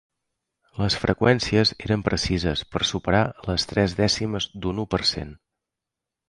Les freqüències eren precises per superar les tres dècimes d'un u per cent.